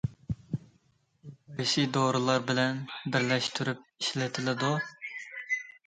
ئۇ قايسى دورىلار بىلەن بىرلەشتۈرۈپ ئىشلىتىلىدۇ?